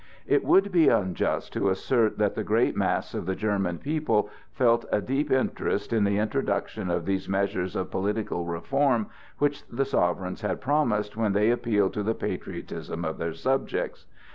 It would be unjust to assert that the great mass of the German people felt a deep interest in the introduction of those measures of political reform which the sovereigns had promised when they appealed to the patriotism of their subjects.